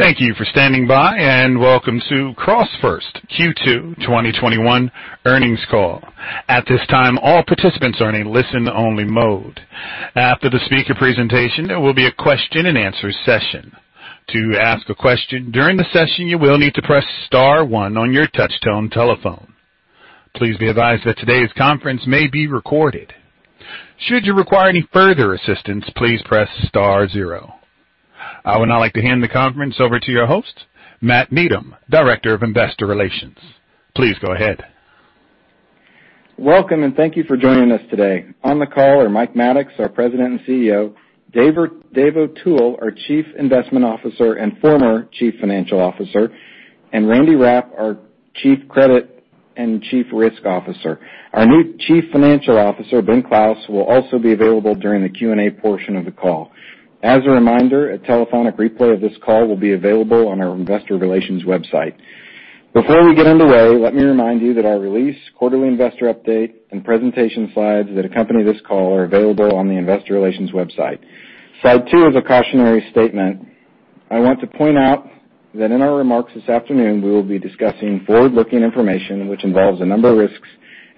Thank you for standing by, and Welcome to CrossFirst Q2 2021 earnings call. At this time, all participants are in a listen-only mode. After the speaker presentation, there will be a question and answer session. To ask a question during the session, you will need to press star one on your touchtone telephone. Please be advised that today's conference may be recorded. Should you require any further assistance, please press star zero. I would now like to hand the conference over to your host, Matt Needham, Director of Investor Relations. Please go ahead. Welcome, and thank you for joining us today. On the call are Mike Maddox, our President and CEO, Dave O'Toole, our Chief Investment Officer and former Chief Financial Officer, and Randy Rapp, our Chief Credit and Chief Risk Officer. Our new Chief Financial Officer, Ben Clouse, will also be available during the Q&A portion of the call. As a reminder, a telephonic replay of this call will be available on our investor relations website. Before we get underway, let me remind you that our release, quarterly investor update, and presentation slides that accompany this call are available on the investor relations website. Slide two is a cautionary statement. I want to point out that in our remarks this afternoon, we will be discussing forward-looking information which involves a number of risks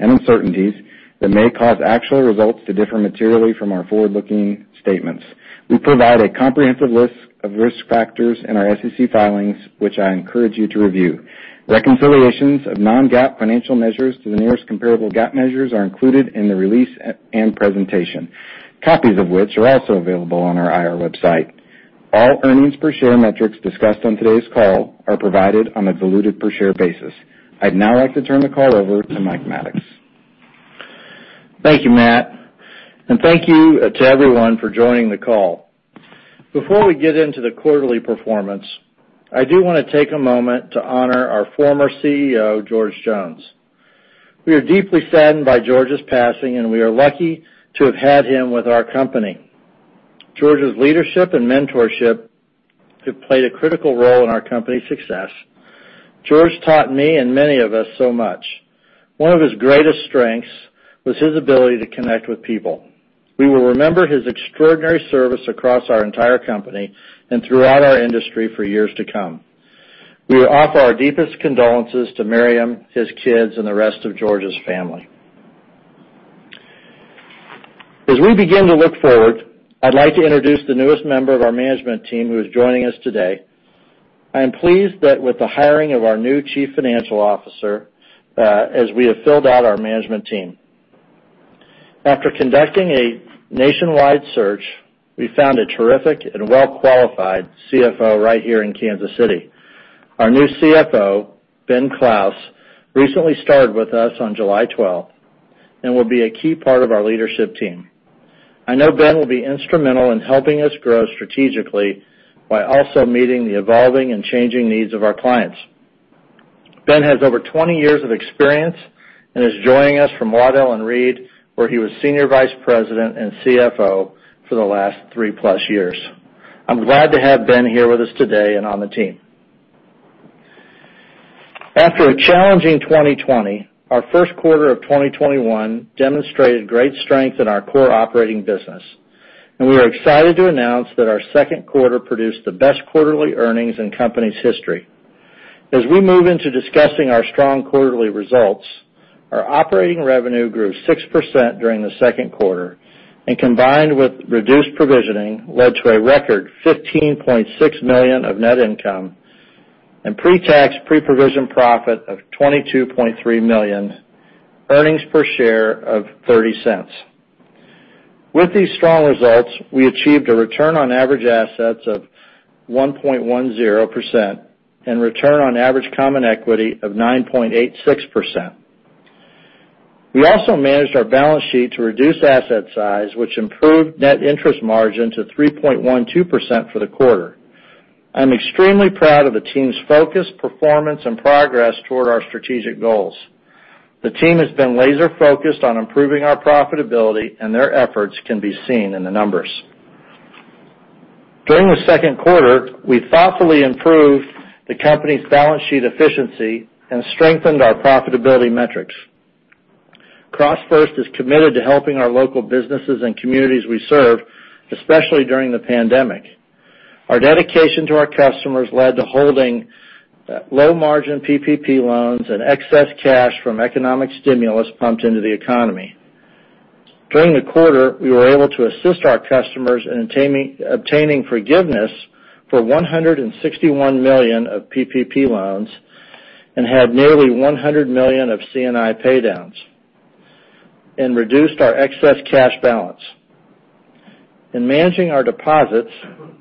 and uncertainties that may cause actual results to differ materially from our forward-looking statements. We provide a comprehensive list of risk factors in our SEC filings, which I encourage you to review. Reconciliations of non-GAAP financial measures to the nearest comparable GAAP measures are included in the release and presentation, copies of which are also available on our IR website. All earnings per share metrics discussed on today's call are provided on a diluted per share basis. I'd now like to turn the call over to Mike Maddox. Thank you, Matt. Thank you to everyone for joining the call. Before we get into the quarterly performance, I do want to take a moment to honor our former CEO, George Jones. We are deeply saddened by George's passing, and we are lucky to have had him with our company. George's leadership and mentorship have played a critical role in our company's success. George taught me and many of us so much. One of his greatest strengths was his ability to connect with people. We will remember his extraordinary service across our entire company and throughout our industry for years to come. We offer our deepest condolences to Miriam, his kids, and the rest of George's family. As we begin to look forward, I'd like to introduce the newest member of our management team, who is joining us today. I am pleased that with the hiring of our new Chief Financial Officer, as we have filled out our management team. After conducting a nationwide search, we found a terrific and well-qualified CFO right here in Kansas City. Our new CFO, Ben Clouse, recently started with us on July 12th and will be a key part of our leadership team. I know Ben will be instrumental in helping us grow strategically while also meeting the evolving and changing needs of our clients. Ben has over 20 years of experience and is joining us from Waddell & Reed, where he was senior vice president and CFO for the last three plus years. I'm glad to have Ben here with us today and on the team. After a challenging 2020, our first quarter of 2021 demonstrated great strength in our core operating business. We are excited to announce that our second quarter produced the best quarterly earnings in company's history. As we move into discussing our strong quarterly results, our operating revenue grew 6% during the second quarter. Combined with reduced provisioning, led to a record $15.6 million of net income and pre-tax, pre-provision profit of $22.3 million, earnings per share of $0.30. With these strong results, we achieved a return on average assets of 1.10% and return on average common equity of 9.86%. We also managed our balance sheet to reduce asset size, which improved net interest margin to 3.12% for the quarter. I'm extremely proud of the team's focus, performance, and progress toward our strategic goals. The team has been laser-focused on improving our profitability, and their efforts can be seen in the numbers. During the second quarter, we thoughtfully improved the company's balance sheet efficiency and strengthened our profitability metrics. CrossFirst is committed to helping our local businesses and communities we serve, especially during the pandemic. Our dedication to our customers led to holding low margin PPP loans and excess cash from economic stimulus pumped into the economy. During the quarter, we were able to assist our customers in obtaining forgiveness for $161 million of PPP loans and had nearly $100 million of C&I paydowns and reduced our excess cash balance. In managing our deposits,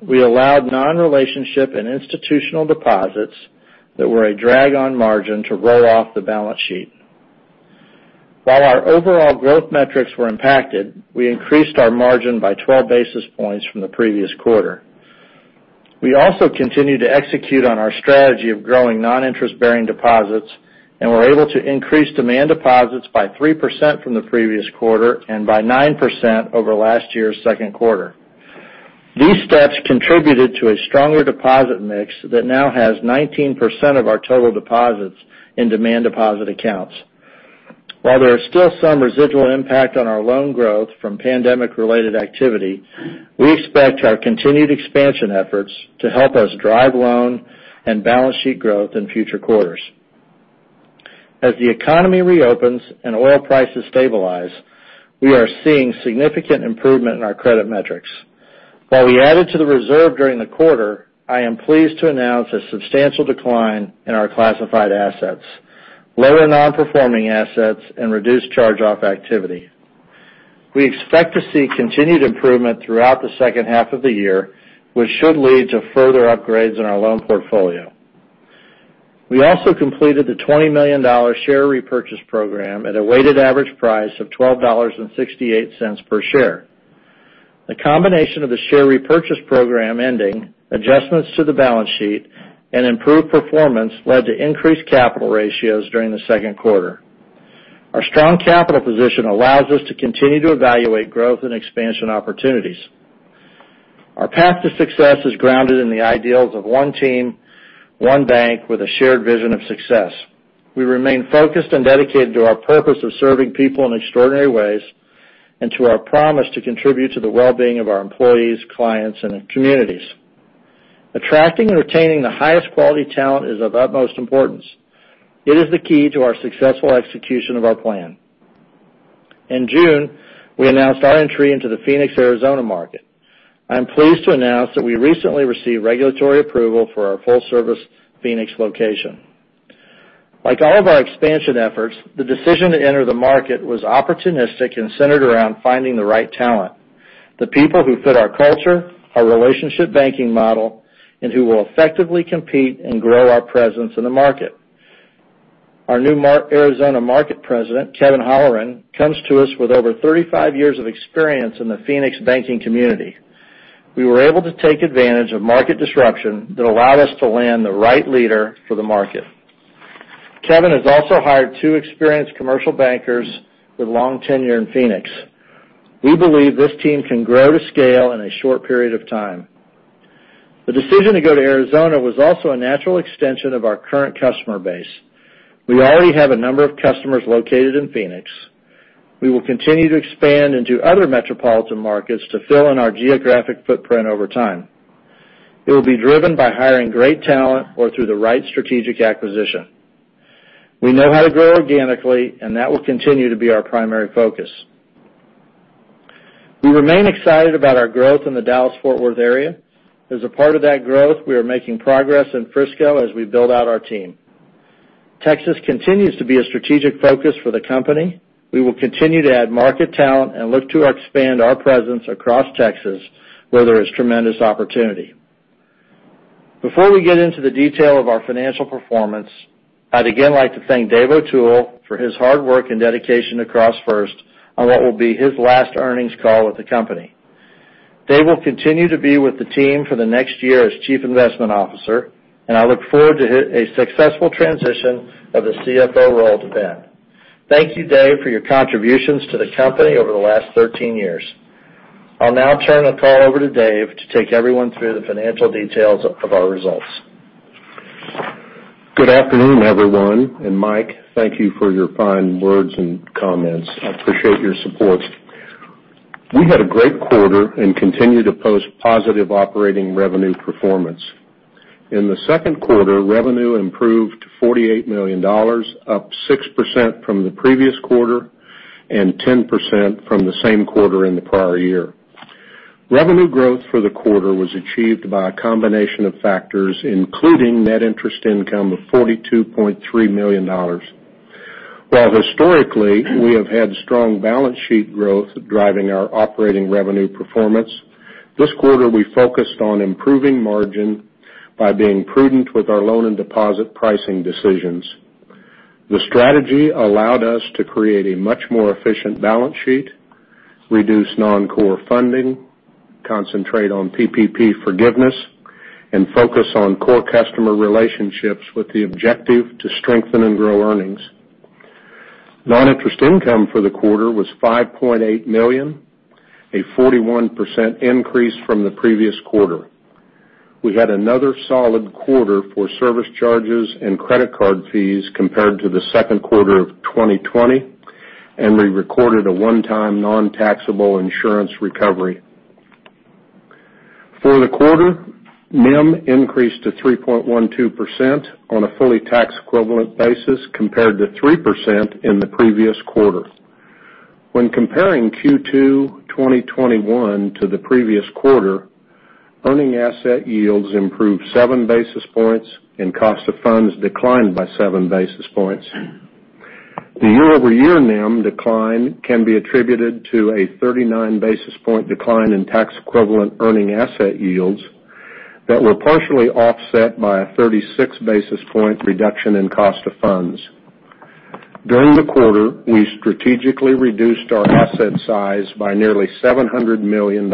we allowed non-relationship and institutional deposits that were a drag on margin to roll off the balance sheet. While our overall growth metrics were impacted, we increased our margin by 12 basis points from the previous quarter. We also continued to execute on our strategy of growing non-interest-bearing deposits and were able to increase demand deposits by 3% from the previous quarter and by 9% over last year's second quarter. These steps contributed to a stronger deposit mix that now has 19% of our total deposits in demand deposit accounts. While there is still some residual impact on our loan growth from pandemic-related activity, we expect our continued expansion efforts to help us drive loan and balance sheet growth in future quarters. As the economy reopens and oil prices stabilize, we are seeing significant improvement in our credit metrics. While we added to the reserve during the quarter, I am pleased to announce a substantial decline in our classified assets, lower non-performing assets, and reduced charge-off activity. We expect to see continued improvement throughout the second half of the year, which should lead to further upgrades in our loan portfolio. We also completed the $20 million share repurchase program at a weighted average price of $12.68 per share. The combination of the share repurchase program ending, adjustments to the balance sheet, and improved performance led to increased capital ratios during the second quarter. Our strong capital position allows us to continue to evaluate growth and expansion opportunities. Our path to success is grounded in the ideals of one team, one bank with a shared vision of success. We remain focused and dedicated to our purpose of serving people in extraordinary ways, and to our promise to contribute to the well-being of our employees, clients, and communities. Attracting and retaining the highest quality talent is of utmost importance. It is the key to our successful execution of our plan. In June, we announced our entry into the Phoenix, Arizona market. I am pleased to announce that we recently received regulatory approval for our full-service Phoenix location. Like all of our expansion efforts, the decision to enter the market was opportunistic and centered around finding the right talent, the people who fit our culture, our relationship banking model, and who will effectively compete and grow our presence in the market. Our new Arizona Market President, Kevin Halloran, comes to us with over 35 years of experience in the Phoenix banking community. We were able to take advantage of market disruption that allowed us to land the right leader for the market. Kevin has also hired two experienced commercial bankers with long tenure in Phoenix. We believe this team can grow to scale in a short period of time. The decision to go to Arizona was also a natural extension of our current customer base. We already have a number of customers located in Phoenix. We will continue to expand into other metropolitan markets to fill in our geographic footprint over time. It will be driven by hiring great talent or through the right strategic acquisition. We know how to grow organically, and that will continue to be our primary focus. We remain excited about our growth in the Dallas-Fort Worth area. As a part of that growth, we are making progress in Frisco as we build out our team. Texas continues to be a strategic focus for the company. We will continue to add market talent and look to expand our presence across Texas, where there is tremendous opportunity. Before we get into the detail of our financial performance, I'd again like to thank Dave O'Toole for his hard work and dedication to CrossFirst on what will be his last earnings call with the company. Dave will continue to be with the team for the next year as Chief Investment Officer, and I look forward to a successful transition of the CFO role to Ben. Thank you, Dave, for your contributions to the company over the last 13 years. I'll now turn the call over to Dave to take everyone through the financial details of our results. Good afternoon, everyone. Mike, thank you for your kind words and comments. I appreciate your support. We had a great quarter and continue to post positive operating revenue performance. In the second quarter, revenue improved to $48 million, up 6% from the previous quarter, and 10% from the same quarter in the prior year. Revenue growth for the quarter was achieved by a combination of factors, including net interest income of $42.3 million. While historically, we have had strong balance sheet growth driving our operating revenue performance, this quarter, we focused on improving margin by being prudent with our loan and deposit pricing decisions. The strategy allowed us to create a much more efficient balance sheet, reduce non-core funding, concentrate on PPP forgiveness, and focus on core customer relationships with the objective to strengthen and grow earnings. Non-interest income for the quarter was $5.8 million, a 41% increase from the previous quarter. We had another solid quarter for service charges and credit card fees compared to the second quarter of 2020, and we recorded a one-time nontaxable insurance recovery. For the quarter, NIM increased to 3.12% on a fully tax-equivalent basis compared to 3% in the previous quarter. When comparing Q2 2021 to the previous quarter, earning asset yields improved 7 basis points and cost of funds declined by 7 basis points. The year-over-year NIM decline can be attributed to a 39-basis-point decline in tax-equivalent earning asset yields that were partially offset by a 36-basis-point reduction in cost of funds. During the quarter, we strategically reduced our asset size by nearly $700 million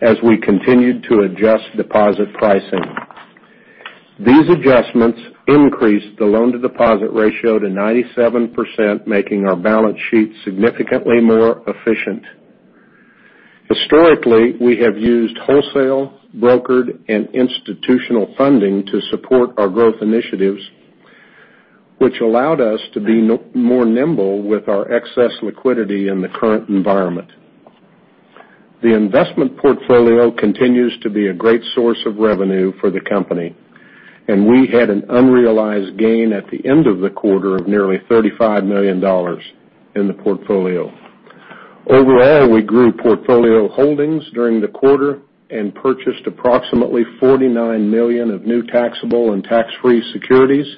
as we continued to adjust deposit pricing. These adjustments increase the loan to deposit ratio to 97%, making our balance sheet significantly more efficient. Historically, we have used wholesale, brokered, and institutional funding to support our growth initiatives, which allowed us to be more nimble with our excess liquidity in the current environment. The investment portfolio continues to be a great source of revenue for the company, and we had an unrealized gain at the end of the quarter of nearly $35 million in the portfolio. Overall, we grew portfolio holdings during the quarter and purchased approximately $49 million of new taxable and tax-free securities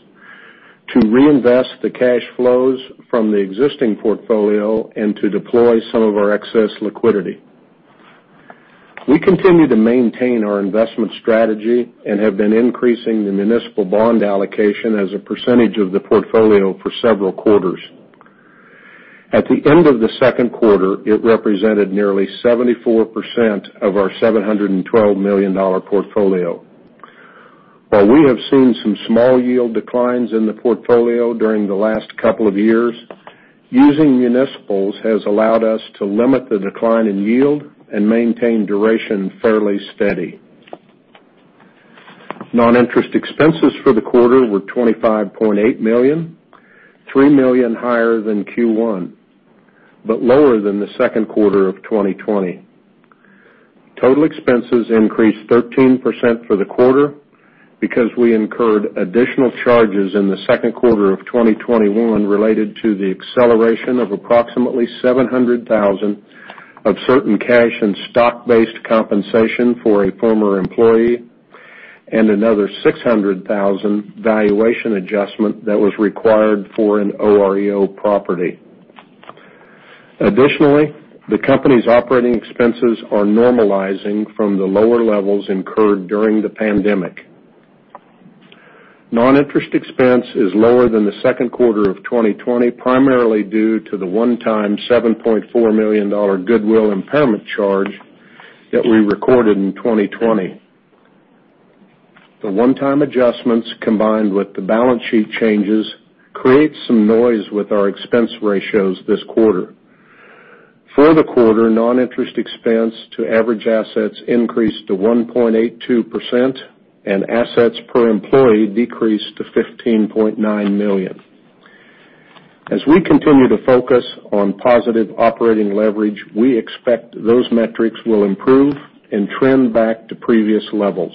to reinvest the cash flows from the existing portfolio and to deploy some of our excess liquidity. We continue to maintain our investment strategy and have been increasing the municipal bond allocation as a percentage of the portfolio for several quarters. At the end of the second quarter, it represented nearly 74% of our $712 million portfolio. While we have seen some small yield declines in the portfolio during the last couple of years, using municipals has allowed us to limit the decline in yield and maintain duration fairly steady. Non-interest expenses for the quarter were $25.8 million, $3 million higher than Q1, but lower than the second quarter of 2020. Total expenses increased 13% for the quarter because we incurred additional charges in the second quarter of 2021 related to the acceleration of approximately $700,000 of certain cash and stock-based compensation for a former employee and another $600,000 valuation adjustment that was required for an OREO property. Additionally, the company's operating expenses are normalizing from the lower levels incurred during the pandemic. Non-interest expense is lower than the second quarter of 2020, primarily due to the one-time $7.4 million goodwill impairment charge that we recorded in 2020. The one-time adjustments, combined with the balance sheet changes, create some noise with our expense ratios this quarter. For the quarter, non-interest expense to average assets increased to 1.82%, and assets per employee decreased to $15.9 million. As we continue to focus on positive operating leverage, we expect those metrics will improve and trend back to previous levels.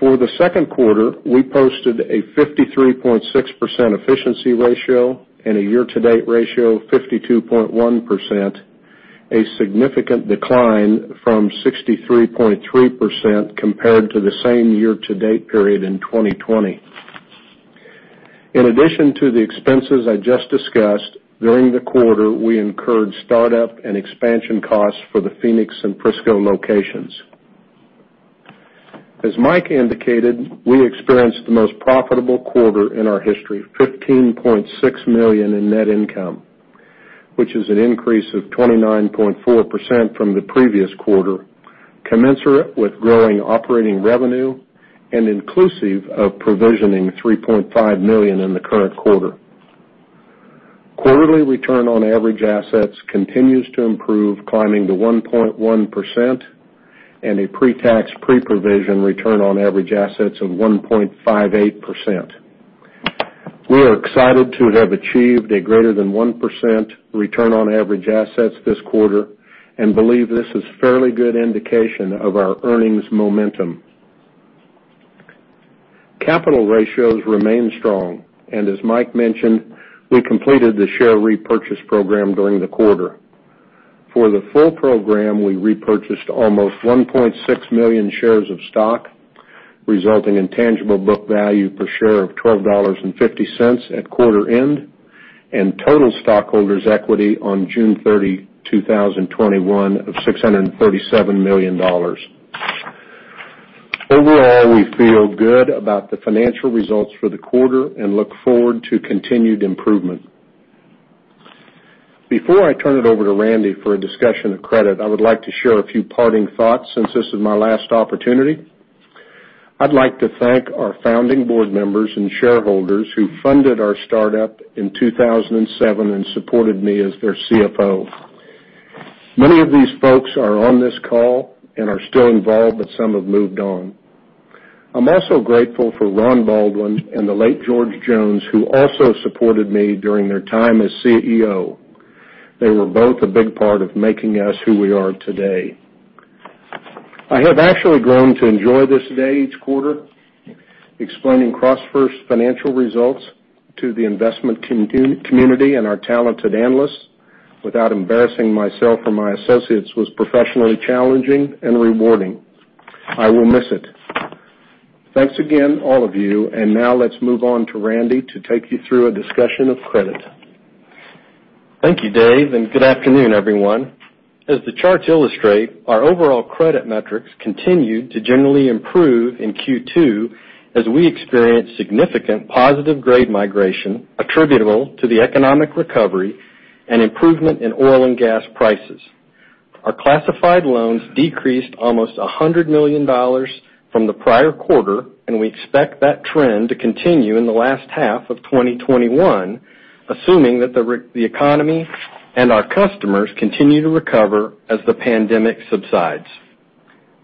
For the second quarter, we posted a 53.6% efficiency ratio and a year-to-date ratio of 52.1%, a significant decline from 63.3% compared to the same year-to-date period in 2020. In addition to the expenses I just discussed, during the quarter, we incurred startup and expansion costs for the Phoenix and Frisco locations. As Mike indicated, we experienced the most profitable quarter in our history, $15.6 million in net income, which is an increase of 29.4% from the previous quarter, commensurate with growing operating revenue and inclusive of provisioning $3.5 million in the current quarter. Quarterly return on average assets continues to improve, climbing to 1.1%, and a pre-tax, pre-provision return on average assets of 1.58%. We are excited to have achieved a greater than 1% return on average assets this quarter and believe this is a fairly good indication of our earnings momentum. Capital ratios remain strong, and as Mike mentioned, we completed the share repurchase program during the quarter. For the full program, we repurchased almost 1.6 million shares of stock, resulting in tangible book value per share of $12.50 at quarter end and total stockholders' equity on June 30, 2021, of $637 million. Overall, we feel good about the financial results for the quarter and look forward to continued improvement. Before I turn it over to Randy for a discussion of credit, I would like to share a few parting thoughts since this is my last opportunity. I'd like to thank our founding board members and shareholders who funded our startup in 2007 and supported me as their CFO. Many of these folks are on this call and are still involved, but some have moved on. I'm also grateful for Ron Baldwin and the late George Jones, who also supported me during their time as CEO. They were both a big part of making us who we are today. I have actually grown to enjoy this day each quarter. Explaining CrossFirst's financial results to the investment community and our talented analysts without embarrassing myself or my associates was professionally challenging and rewarding. I will miss it. Thanks again, all of you. Now let's move on to Randy to take you through a discussion of credit. Thank you, Dave, and good afternoon, everyone. As the charts illustrate, our overall credit metrics continued to generally improve in Q2 as we experienced significant positive grade migration attributable to the economic recovery and improvement in oil and gas prices. Our classified loans decreased almost $100 million from the prior quarter, and we expect that trend to continue in the last half of 2021, assuming that the economy and our customers continue to recover as the pandemic subsides.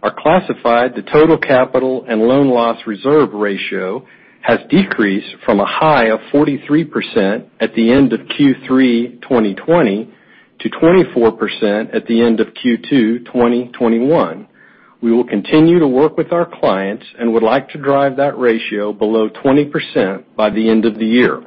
Our classified to total capital and loan loss reserve ratio has decreased from a high of 43% at the end of Q3 2020 to 24% at the end of Q2 2021. We will continue to work with our clients and would like to drive that ratio below 20% by the end of the year.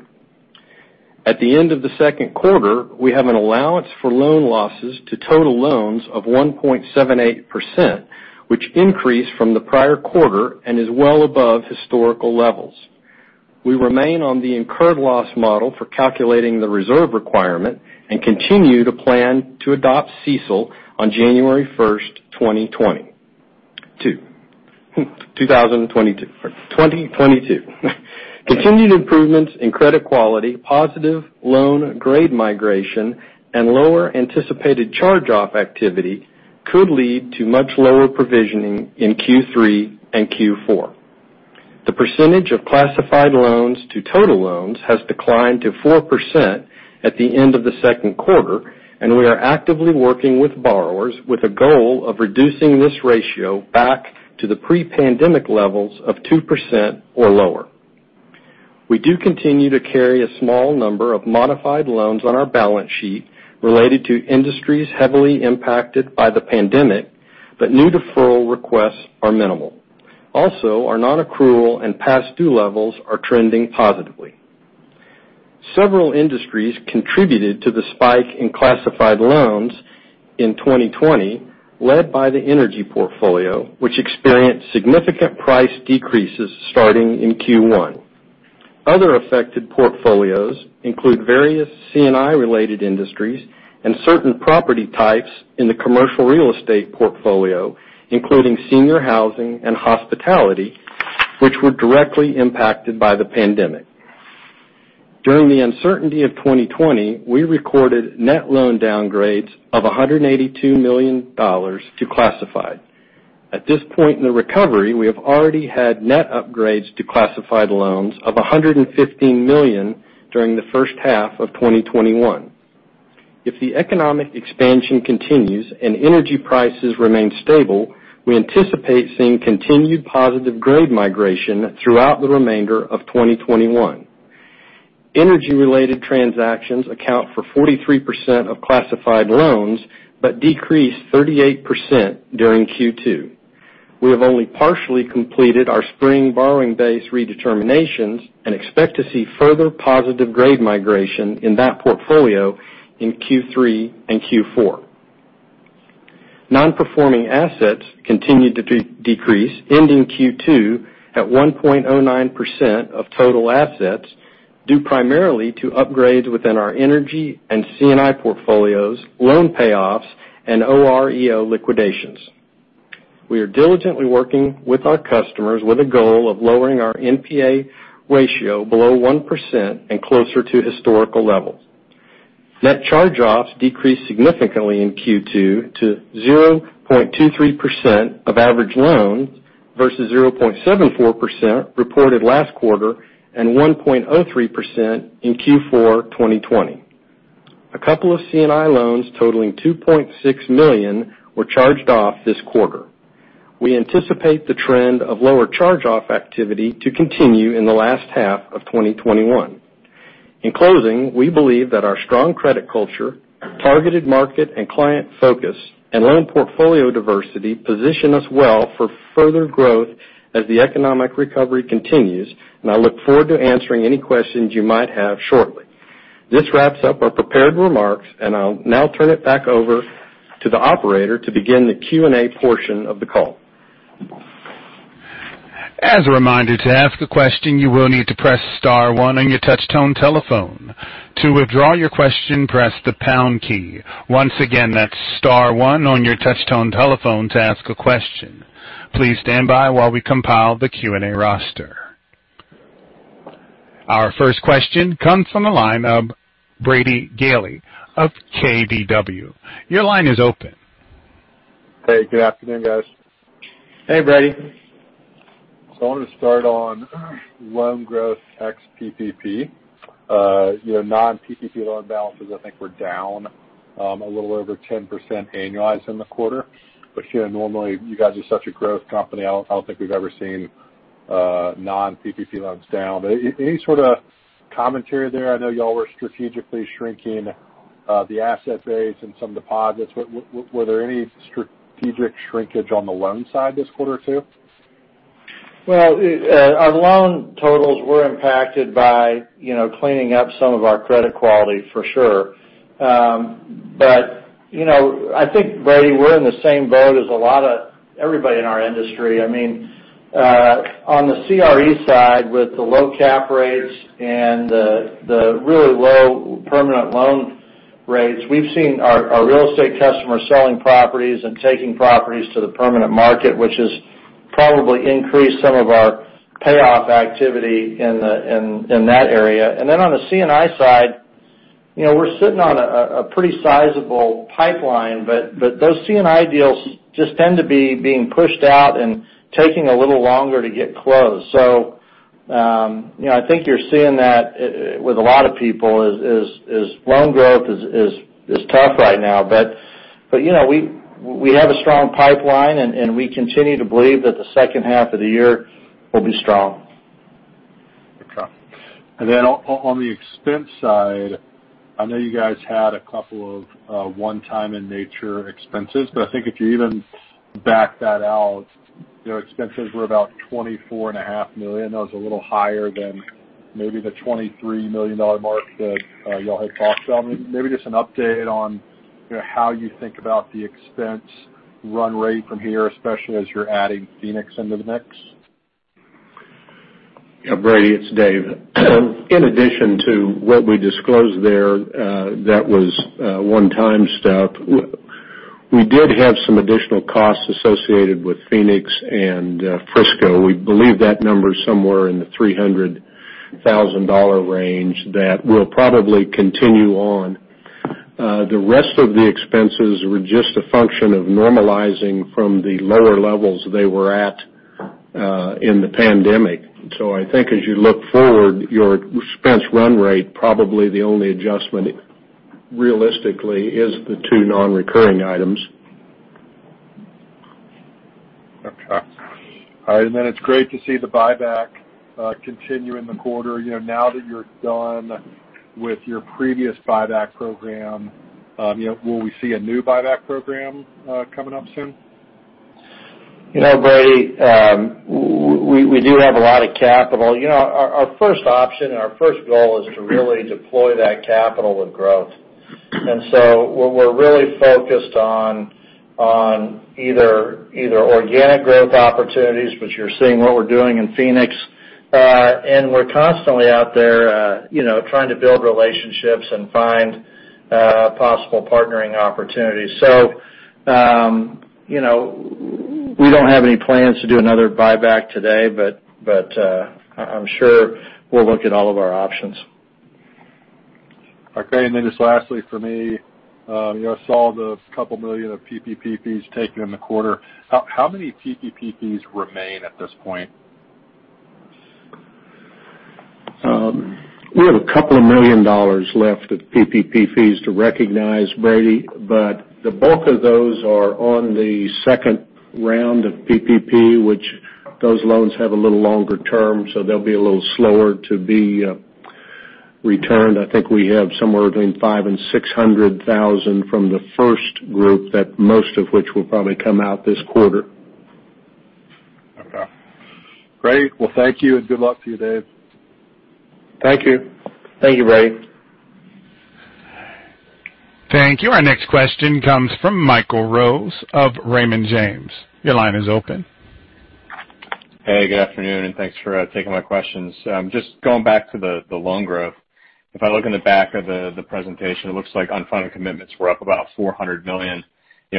At the end of the second quarter, we have an allowance for loan losses to total loans of 1.78%, which increased from the prior quarter and is well above historical levels. We remain on the incurred loss model for calculating the reserve requirement and continue to plan to adopt CECL on January 1st, 2022. Continued improvements in credit quality, positive loan grade migration, and lower anticipated charge-off activity could lead to much lower provisioning in Q3 and Q4. The percentage of classified loans to total loans has declined to 4% at the end of the second quarter, and we are actively working with borrowers with a goal of reducing this ratio back to the pre-pandemic levels of 2% or lower. We do continue to carry a small number of modified loans on our balance sheet related to industries heavily impacted by the pandemic, but new deferral requests are minimal. Our non-accrual and past due levels are trending positively. Several industries contributed to the spike in classified loans in 2020, led by the energy portfolio, which experienced significant price decreases starting in Q1. Other affected portfolios include various C&I-related industries and certain property types in the commercial real estate portfolio, including senior housing and hospitality, which were directly impacted by the pandemic. During the uncertainty of 2020, we recorded net loan downgrades of $182 million to classified. At this point in the recovery, we have already had net upgrades to classified loans of $115 million during the first half of 2021. If the economic expansion continues and energy prices remain stable, we anticipate seeing continued positive grade migration throughout the remainder of 2021. Energy-related transactions account for 43% of classified loans, but decreased 38% during Q2. We have only partially completed our spring borrowing base redeterminations and expect to see further positive grade migration in that portfolio in Q3 and Q4. Non-performing assets continued to decrease, ending Q2 at 1.09% of total assets, due primarily to upgrades within our energy and C&I portfolios, loan payoffs, and OREO liquidations. We are diligently working with our customers with a goal of lowering our NPA ratio below 1% and closer to historical levels. Net charge-offs decreased significantly in Q2 to 0.23% of average loans versus 0.74% reported last quarter and 1.03% in Q4 2020. A couple of C&I loans totaling $2.6 million were charged off this quarter. We anticipate the trend of lower charge-off activity to continue in the last half of 2021. In closing, we believe that our strong credit culture, targeted market and client focus, and loan portfolio diversity position us well for further growth as the economic recovery continues, and I look forward to answering any questions you might have shortly. This wraps up our prepared remarks, and I'll now turn it back over to the operator to begin the Q&A portion of the call. As a reminder, to ask a question, you will need to press star one on your touch-tone telephone. To withdraw your question, press the pound key. Once again, that's star one on your touch-tone telephone to ask a question. Please stand by while we compile the Q&A roster. Our first question comes from the line of Brady Gailey of KBW. Your line is open. Hey, good afternoon, guys. Hey, Brady. I want to start on loan growth ex-PPP. Non-PPP loan balances I think were down a little over 10% annualized in the quarter. Normally, you guys are such a growth company, I don't think we've ever seen non-PPP loans down. Any sort of commentary there? I know y'all were strategically shrinking the asset base and some deposits. Were there any strategic shrinkage on the loan side this quarter, too? Well, our loan totals were impacted by cleaning up some of our credit quality, for sure. I think, Brady, we're in the same boat as everybody in our industry. On the CRE side, with the low cap rates and the really low permanent loan rates, we've seen our real estate customers selling properties and taking properties to the permanent market, which is probably increase some of our payoff activity in that area. On the C&I side, we're sitting on a pretty sizable pipeline, but those C&I deals just tend to be being pushed out and taking a little longer to get closed. I think you're seeing that with a lot of people is loan growth is tough right now. We have a strong pipeline, and we continue to believe that the second half of the year will be strong. Okay. On the expense side, I know you guys had a couple of one-time in nature expenses, but I think if you even back that out, your expenses were about $24.5 million. That was a little higher than maybe the $23 million mark that y'all had talked on. Maybe just an update on how you think about the expense run rate from here, especially as you're adding Phoenix into the mix. Brady, it's Dave. In addition to what we disclosed there, that was a one-time step. We did have some additional costs associated with Phoenix and Frisco. We believe that number's somewhere in the $300,000 range that will probably continue on. The rest of the expenses were just a function of normalizing from the lower levels they were at in the pandemic. I think as you look forward, your expense run rate, probably the only adjustment realistically is the two non-recurring items. Okay. All right. It's great to see the buyback continue in the quarter. Now that you're done with your previous buyback program, will we see a new buyback program coming up soon? Brady, we do have a lot of capital. Our first option and our first goal is to really deploy that capital with growth. What we're really focused on either organic growth opportunities, which you're seeing what we're doing in Phoenix, and we're constantly out there trying to build relationships and find possible partnering opportunities. We don't have any plans to do another buyback today, but I'm sure we'll look at all of our options. Okay. Just lastly for me, I saw the couple million of PPP fees taken in the quarter. How many PPP fees remain at this point? We have a couple of million dollars left of PPP fees to recognize, Brady, but the bulk of those are on the second round of PPP, which those loans have a little longer term, so they'll be a little slower to be returned. I think we have somewhere between $500,000 and $600,000 from the first group that most of which will probably come out this quarter. Okay. Great. Well, thank you, and good luck to you, Dave. Thank you. Thank you, Brady. Thank you. Our next question comes from Michael Rose of Raymond James. Your line is open. Good afternoon, thanks for taking my questions. Just going back to the loan growth. If I look in the back of the presentation, it looks like unfunded commitments were up about $400 million.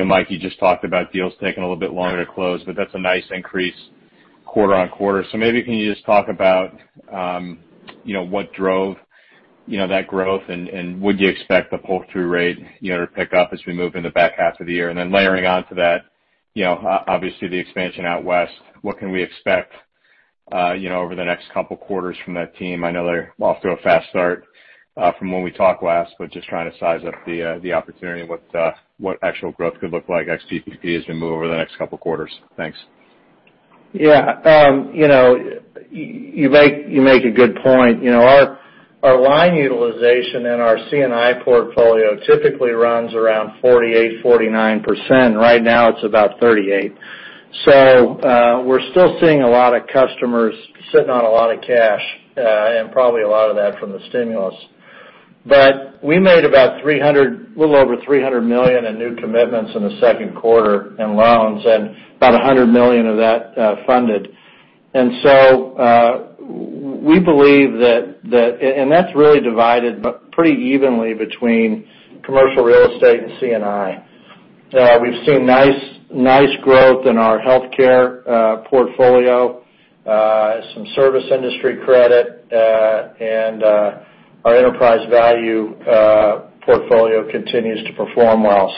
Mike, you just talked about deals taking a little bit longer to close, that's a nice increase quarter-over-quarter. Maybe can you just talk about what drove that growth, and would you expect the pull-through rate to pick up as we move in the back half of the year? Layering onto that, obviously the expansion out west, what can we expect over the next couple quarters from that team? I know they're off to a fast start from when we talked last, just trying to size up the opportunity and what actual growth could look like ex PPP as we move over the next couple quarters. Thanks. Yeah. You make a good point. Our line utilization and our C&I portfolio typically runs around 48%-49%. Right now it's about 38%. We're still seeing a lot of customers sitting on a lot of cash, and probably a lot of that from the stimulus. We made a little over $300 million in new commitments in the second quarter in loans and about $100 million of that funded. That's really divided pretty evenly between commercial real estate and C&I. We've seen nice growth in our healthcare portfolio, some service industry credit, and our enterprise value portfolio continues to perform well.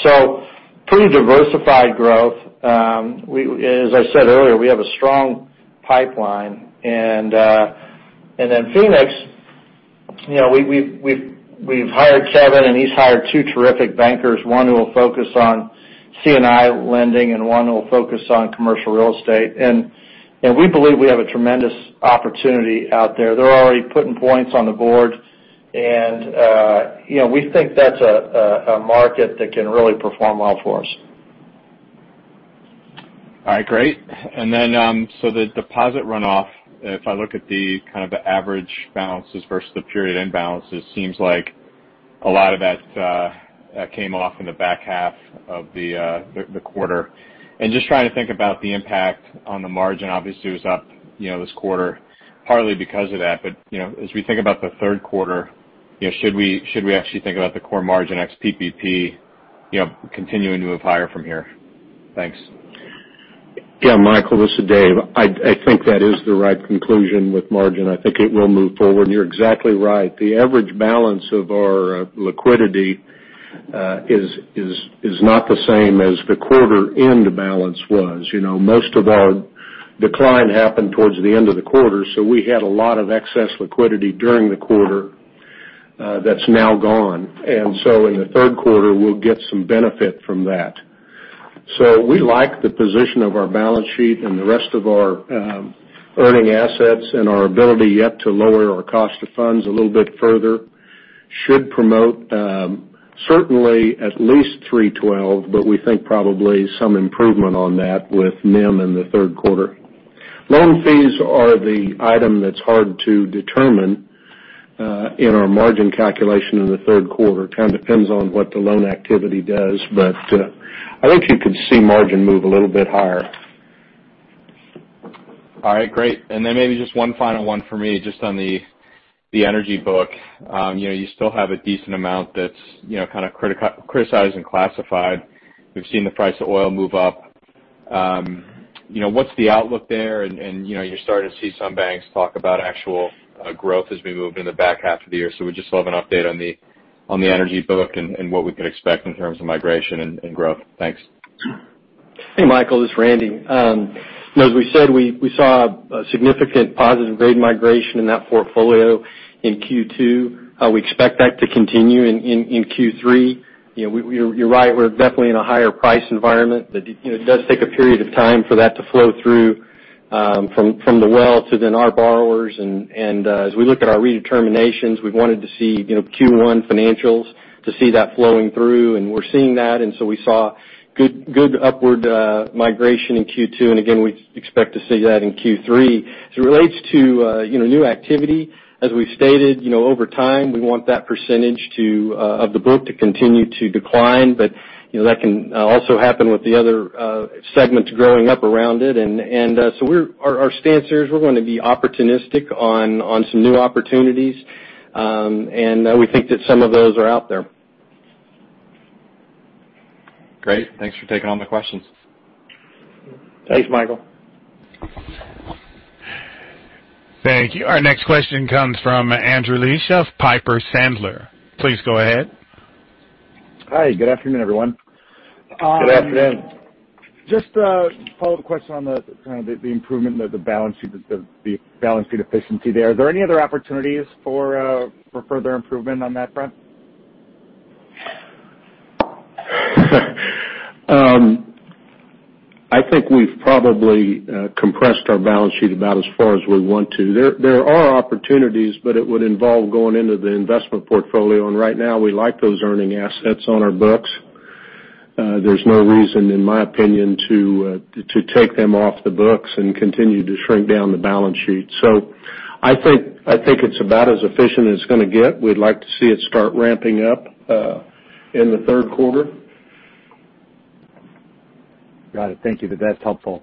Pretty diversified growth. As I said earlier, we have a strong pipeline. Phoenix, we've hired seven, and he's hired two terrific bankers, one who will focus on C&I lending and one who will focus on commercial real estate. We believe we have a tremendous opportunity out there. They're already putting points on the board, and we think that's a market that can really perform well for us. All right, great. The deposit runoff, if I look at the kind of average balances versus the period-end balances, seems like a lot of that came off in the back half of the quarter. Just trying to think about the impact on the margin, obviously it was up this quarter partly because of that. As we think about the third quarter, should we actually think about the core margin ex PPP continuing to move higher from here? Thanks. Yeah, Michael, this is Dave. I think that is the right conclusion with margin. I think it will move forward, and you're exactly right. The average balance of our liquidity is not the same as the quarter-end balance was. Most of our decline happened towards the end of the quarter, so we had a lot of excess liquidity during the quarter that's now gone. In the third quarter, we'll get some benefit from that. We like the position of our balance sheet and the rest of our earning assets and our ability yet to lower our cost of funds a little bit further should promote, certainly, at least 312, but we think probably some improvement on that with NIM in the third quarter. Loan fees are the item that's hard to determine in our margin calculation in the third quarter. Kind of depends on what the loan activity does. I think you could see margin move a little bit higher. All right, great. Then maybe just one final one for me, just on the energy book. You still have a decent amount that's kind of criticized and classified. We've seen the price of oil move up. What's the outlook there? You're starting to see some banks talk about actual growth as we move into the back half of the year. We just love an update on the energy book and what we could expect in terms of migration and growth. Thanks. Hey, Michael, this is Randy. As we said, we saw a significant positive grade migration in that portfolio in Q2. We expect that to continue in Q3. You're right, we're definitely in a higher price environment. It does take a period of time for that to flow through from the well to then our borrowers. As we look at our redeterminations, we wanted to see Q1 financials to see that flowing through, and we're seeing that. We saw good upward migration in Q2, and again, we expect to see that in Q3. As it relates to new activity, as we've stated, over time, we want that percentage of the book to continue to decline, but that can also happen with the other segments growing up around it. Our stance here is we're going to be opportunistic on some new opportunities, and we think that some of those are out there. Great. Thanks for taking all my questions. Thanks, Michael. Thank you. Our next question comes from Andrew Liesch of Piper Sandler. Please go ahead. Hi. Good afternoon, everyone. Good afternoon. Just a follow-up question on the kind of the improvement of the balance sheet efficiency there. Are there any other opportunities for further improvement on that front? I think we've probably compressed our balance sheet about as far as we want to. There are opportunities, but it would involve going into the investment portfolio, and right now, we like those earning assets on our books. There's no reason, in my opinion, to take them off the books and continue to shrink down the balance sheet. I think it's about as efficient as it's going to get. We'd like to see it start ramping up in the third quarter. Got it. Thank you. That's helpful.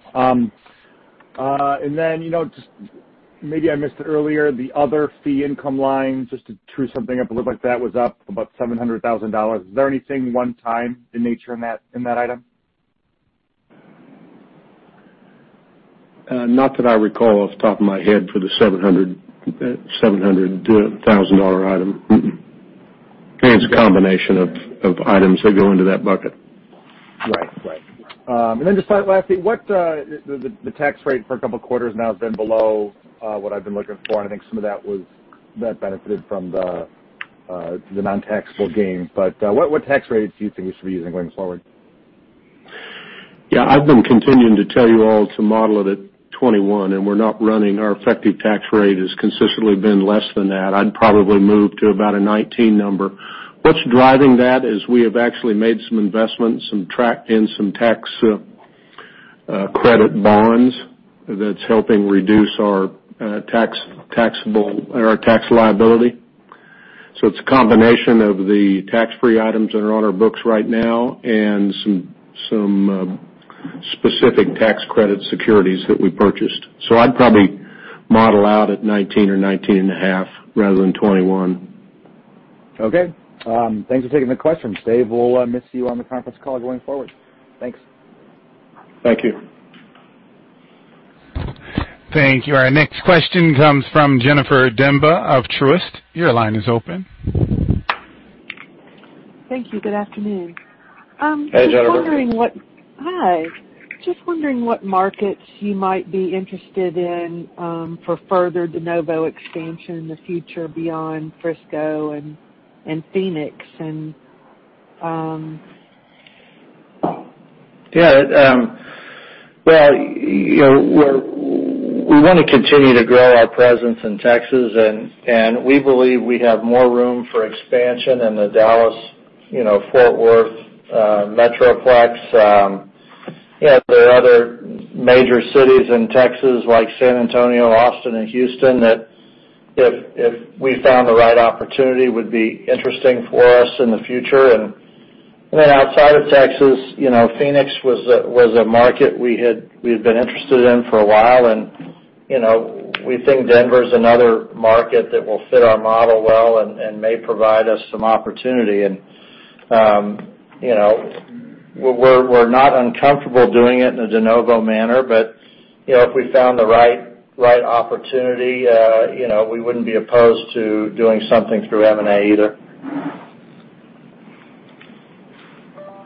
Maybe I missed it earlier, the other fee income line, just to true something up a little bit, that was up about $700,000. Is there anything one-time in nature in that item? Not that I recall off the top of my head for the $700,000 item. I think it's a combination of items that go into that bucket. Right. Just lastly, the tax rate for a couple of quarters now has been below what I've been looking for, and I think some of that benefited from the non-taxable gain. What tax rates do you think we should be using going forward? Yeah. I've been continuing to tell you all to model it at 21, and we're not running. Our effective tax rate has consistently been less than that. I'd probably move to about a 19 number. What's driving that is we have actually made some investments and tracked in some tax credit bonds that's helping reduce our tax liability. It's a combination of the tax-free items that are on our books right now and some specific tax credit securities that we purchased. I'd probably model out at 19 or 19.5 rather than 21. Okay. Thanks for taking the question. Dave, we'll miss you on the conference call going forward. Thanks. Thank you. Thank you. Our next question comes from Jennifer Demba of Truist. Your line is open. Thank you. Good afternoon. Hey, Jennifer. Hi. Just wondering what markets you might be interested in for further de novo expansion in the future beyond Frisco and Phoenix? Yeah. We want to continue to grow our presence in Texas, and we believe we have more room for expansion in the Dallas-Fort Worth metroplex. There are other major cities in Texas like San Antonio, Austin, and Houston that, if we found the right opportunity, would be interesting for us in the future. Outside of Texas, Phoenix was a market we had been interested in for a while. We think Denver is another market that will fit our model well and may provide us some opportunity. We're not uncomfortable doing it in a de novo manner, but if we found the right opportunity, we wouldn't be opposed to doing something through M&A either.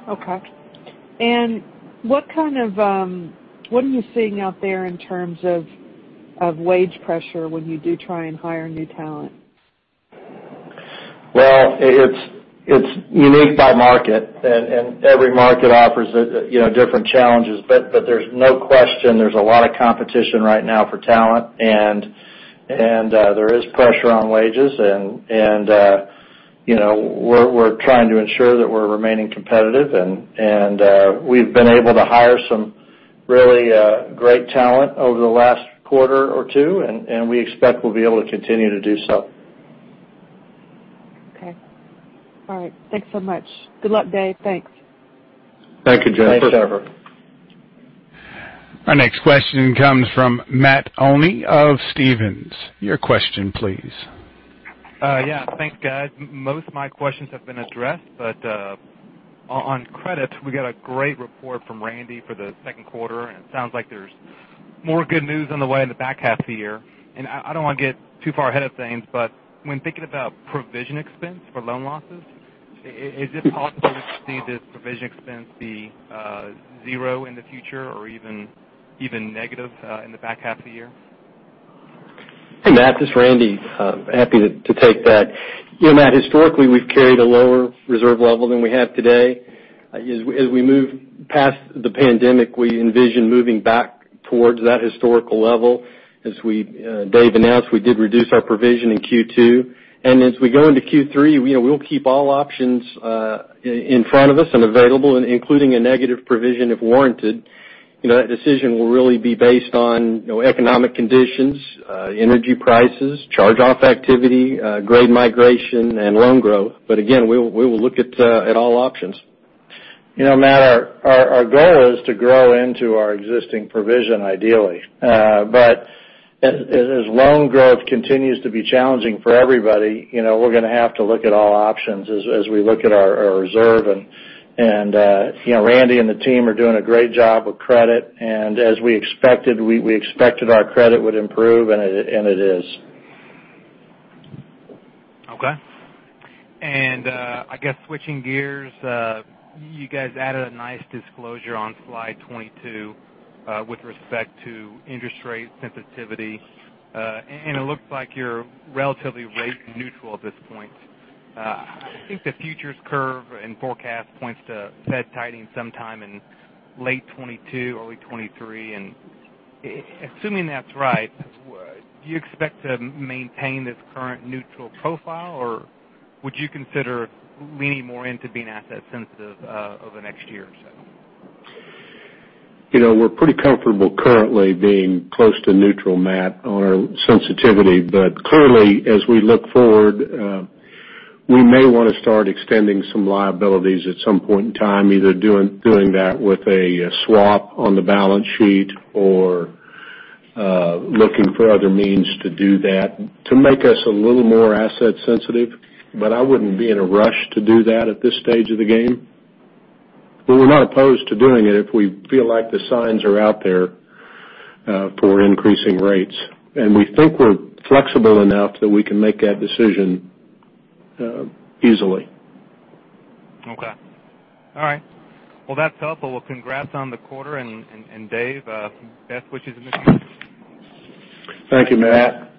Okay. What are you seeing out there in terms of wage pressure when you do try and hire new talent? Well, it's unique by market, and every market offers different challenges. There's no question there's a lot of competition right now for talent, and there is pressure on wages. We're trying to ensure that we're remaining competitive, and we've been able to hire some really great talent over the last quarter or two, and we expect we'll be able to continue to do so. Okay. All right. Thanks so much. Good luck, Dave. Thanks. Thank you, Jennifer. Thanks, Jennifer. Our next question comes from Matt Olney of Stephens. Your question please. Yeah. Thanks, guys. Most of my questions have been addressed, but on credit, we got a great report from Randy for the second quarter, and it sounds like there's more good news on the way in the back half of the year. I don't want to get too far ahead of things, but when thinking about provision expense for loan losses, is it possible to see this provision expense be zero in the future or even negative in the back half of the year? Hey, Matt, this is Randy. Happy to take that. Matt, historically, we've carried a lower reserve level than we have today. As we move past the pandemic, we envision moving back towards that historical level. As Dave announced, we did reduce our provision in Q2. As we go into Q3, we'll keep all options in front of us and available, including a negative provision if warranted. That decision will really be based on economic conditions, energy prices, charge-off activity, grade migration, and loan growth. Again, we will look at all options. Matt, our goal is to grow into our existing provision ideally. As loan growth continues to be challenging for everybody, we're going to have to look at all options as we look at our reserve. Randy and the team are doing a great job with credit, and as we expected, we expected our credit would improve, and it is. Okay. I guess switching gears, you guys added a nice disclosure on slide 22 with respect to interest rate sensitivity. It looks like you're relatively rate neutral at this point. I think the futures curve and forecast points to Fed tightening sometime in late 2022, early 2023. Assuming that's right, do you expect to maintain this current neutral profile, or would you consider leaning more into being asset sensitive over the next year or so? We're pretty comfortable currently being close to neutral, Matt, on our sensitivity. Clearly, as we look forward, we may want to start extending some liabilities at some point in time, either doing that with a swap on the balance sheet or looking for other means to do that to make us a little more asset sensitive. I wouldn't be in a rush to do that at this stage of the game. We're not opposed to doing it if we feel like the signs are out there for increasing rates. We think we're flexible enough that we can make that decision easily. Okay. All right. Well, that's helpful. Well, congrats on the quarter, and Dave, best wishes in the future. Thank you, Matt.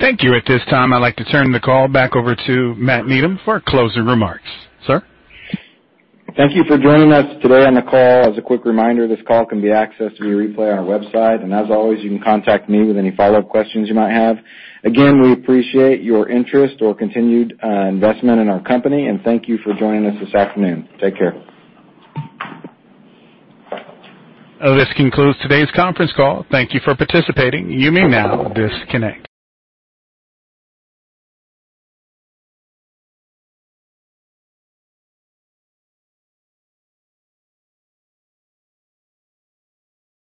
Thank you. At this time, I'd like to turn the call back over to Matt Needham for closing remarks. Sir. Thank you for joining us today on the call. As a quick reminder, this call can be accessed via replay on our website. As always, you can contact me with any follow-up questions you might have. Again, we appreciate your interest or continued investment in our company, and thank you for joining us this afternoon. Take care. This concludes today's conference call. Thank you for participating. You may now disconnect.